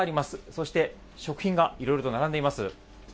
そして、食品がいろいろと並んでいます。